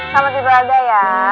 selamat tidur ada ya